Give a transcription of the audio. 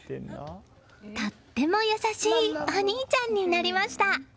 とても優しいお兄ちゃんになりました！